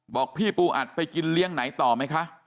บอกพี่ปูอัดไปกินเลี้ยงไหนต่อไหมคะ